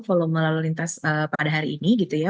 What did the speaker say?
volume lalu lintas pada hari ini gitu ya